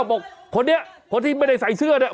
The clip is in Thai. บอกคนนี้คนที่ไม่ได้ใส่เสื้อเนี่ย